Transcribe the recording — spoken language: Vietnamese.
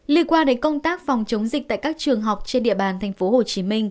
lý qua đến công tác phòng chống dịch tại các trường học trên địa bàn tp hcm